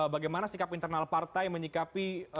bagaimana sikap internal partai menyikapi